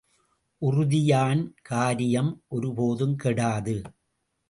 உறுதியான் காரியம் ஒரு போதும் கெடாது.